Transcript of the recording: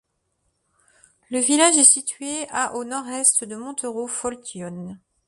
Le village est situé à au nord-est de Montereau-Fault-Yonne.